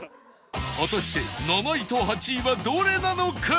果たして７位と８位はどれなのか？